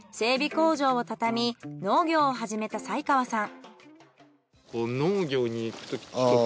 工場をたたみ農業を始めた斎川さん。